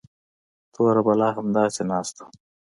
توره بلا همداسې ناسته وه.